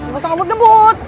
gak usah ngebut ngebut